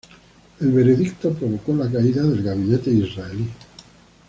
El veredicto provocó la caída del gabinete israelí.